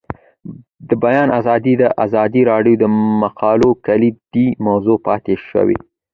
د بیان آزادي د ازادي راډیو د مقالو کلیدي موضوع پاتې شوی.